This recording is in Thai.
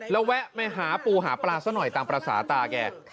แล้วแวะไปหาปูหาปลาซะหน่อยตามภาษาตาแก